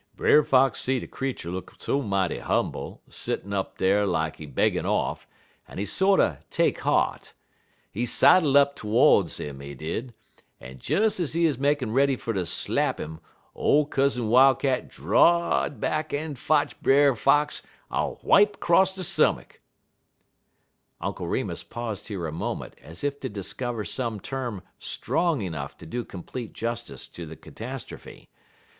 "Brer Fox see de creetur look so mighty humble, settin' up dar lak he beggin' off, en he sorter take heart. He sidle up todes 'im, he did, en des ez he 'uz makin' ready fer ter slap 'im ole Cousin Wildcat draw'd back en fotch Brer Fox a wipe 'cross de stomach." Uncle Remus paused here a moment, as if to discover some term strong enough to do complete justice to the catastrophe.